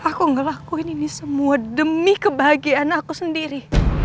aku ngelakuin ini semua demi kebahagiaan aku sendiri